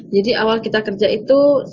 jadi awal kita kerja itu